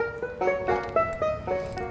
jangan lupa like subscribe dan share ya